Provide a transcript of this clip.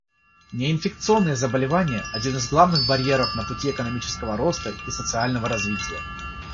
Неинфекционные заболевания — один из главных барьеров на пути экономического роста и социального развития.